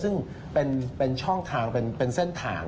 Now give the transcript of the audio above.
ซึ่งเป็นช่องทางเป็นเส้นทาง